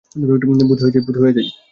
ভূত হয়ে যাই!